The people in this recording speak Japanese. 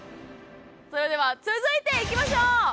それでは続いていきましょう！